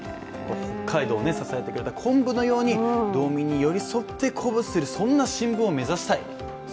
北海道を支えてくれた昆布のように道民に寄り添って鼓舞する、そんな新聞を目指したい。